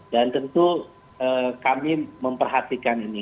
dan tentu kami memperhatikan ini